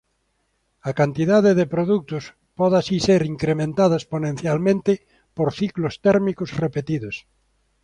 A cantidade de produtos pode así ser incrementada exponencialmente por ciclos térmicos repetidos.